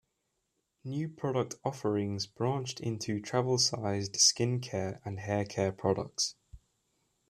New product offerings branched into travel-sized skin care and hair care products.